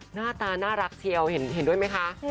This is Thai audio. หน้าตาน่ารักเชียวเห็นด้วยไหมคะ